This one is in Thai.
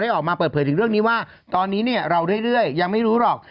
ออกมาเปิดเผยถึงเรื่องนี้ว่าตอนนี้เนี่ยเราเรื่อยยังไม่รู้หรอก